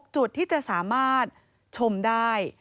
จุดที่จะสามารถชมได้